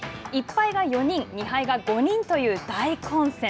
１敗が４人、２敗が５人という大混戦。